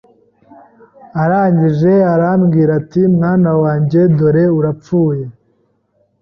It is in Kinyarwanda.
arangije arambwira ati mwana wanjye dore urapfuye